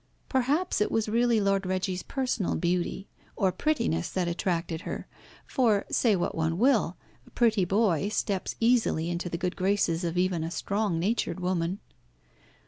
Perhaps it was really Lord Reggie's personal beauty or prettiness that attracted her, for, say what one will, a pretty boy steps easily into the good graces of even a strong natured woman.